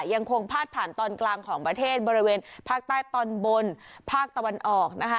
ยังคงพาดผ่านตอนกลางของประเทศบริเวณภาคใต้ตอนบนภาคตะวันออกนะคะ